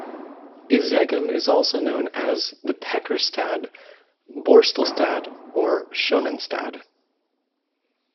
Izegem is also known as the "pekkerstad", "borstelstad" or "schoenenstad".